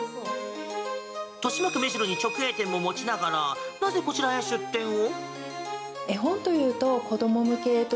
豊島区目白に直営店も持ちながらなぜこちらに出店を？